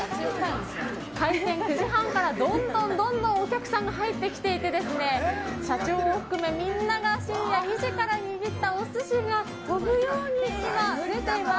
開店９時半からどんどんお客さんが入ってきて社長を含めみんなが深夜２時から握ったお寿司が飛ぶように売れてます。